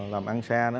làm ăn xe